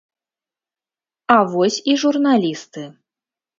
А вось і журналісты.